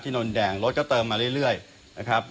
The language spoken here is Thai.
ที่โรนดินแดงรถก็เติมมาเรื่อยนะครับ